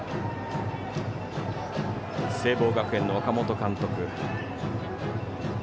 聖望学園の岡本監督。